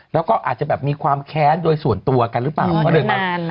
แล้วก็อาจจะแบบมีความแค้นโดยส่วนตัวกันหรือเปล่า